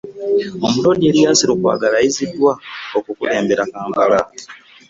Omuloodi Erias Lukwago alayiziddwa okukulembera Kampala